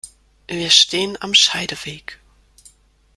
Wir stehen am Scheideweg.